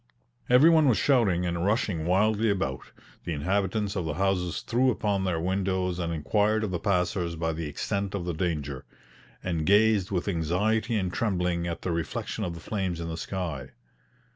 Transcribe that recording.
Every one was shouting and rushing wildly about; the inhabitants of the houses threw open their windows and inquired of the passers by the extent of the danger, and gazed with anxiety and trembling at the reflection of the flames in the sky.